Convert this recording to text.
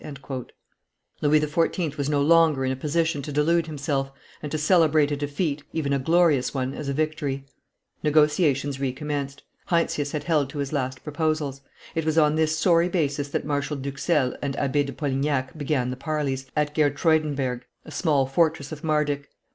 [Illustration: Bivouac of Louis XIV. 503] Louis XIV. was no longer in a position to delude himself, and to celebrate a defeat, even a glorious one, as a victory. Negotiations recommenced. Heinsius had held to his last proposals. It was on this sorry basis that Marshal d'Huxelles and Abbe de Polignac began the parleys, at Gertruydenberg, a small fortress of Mardyk.